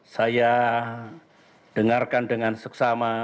saya dengarkan dengan seksama